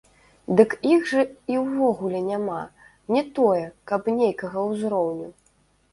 Дык іх жа і ўвогуле няма, не тое, каб нейкага ўзроўню!